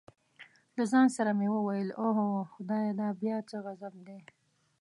له ځان سره مې وویل اوه خدایه دا بیا څه غضب دی.